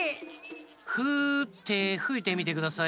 フーッてふいてみてください。